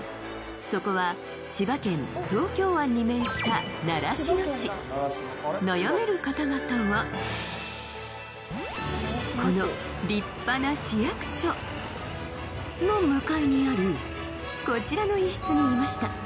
そこは千葉県東京湾に面した習志野市悩める方々はこの立派な市役所の向かいにあるこちらの一室にいました